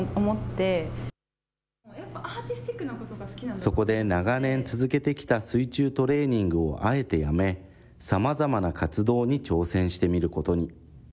そこで、長年続けてきた水中トレーニングをあえてやめ、さまざまな活動に挑戦してみることに。